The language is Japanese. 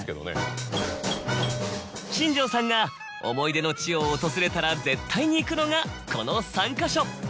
新庄さんが思い出の地を訪れたら絶対に行くのがこの３か所。